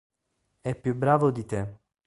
È più bravo "di te".